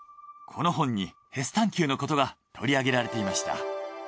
この本にヘスタンキューのことが取り上げられていました。